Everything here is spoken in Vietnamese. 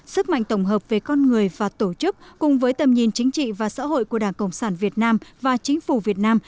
sức mạnh tổng hợp về con người và tổ chức cùng với tầm nhìn chính trị và xã hội của đảng cộng sản việt nam và chính phủ việt nam